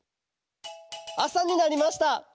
あさになりました。